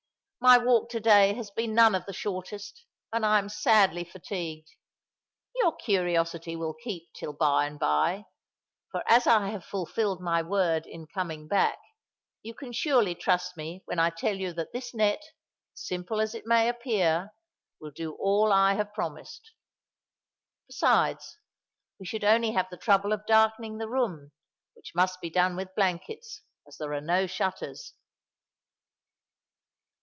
"My walk to day has been none of the shortest; and I am sadly fatigued. Your curiosity will keep till by and by; for as I have fulfilled my word in coming back, you surely can trust me when I tell you that this net, simple as it may appear, will do all I have promised. Besides, we should only have the trouble of darkening the room, which must be done with blankets, as there are no shutters."